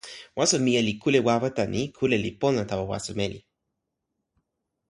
waso mije li kule wawa tan ni: kule li pona tawa waso meli.